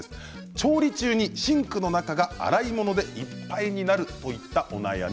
調理中にシンクの中が洗い物でいっぱいになるといったお悩み。